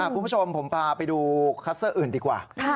คุณผู้ชมผมพาไปดูคัสเตอร์อื่นดีกว่า